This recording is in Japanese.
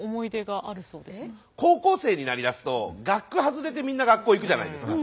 高校生になりだすと学区外れてみんな学校行くじゃないですか。